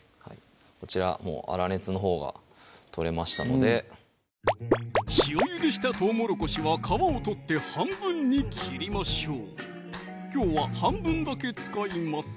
こちら粗熱のほうが取れましたので塩ゆでしたとうもろこしは皮を取って半分に切りましょうきょうは半分だけ使います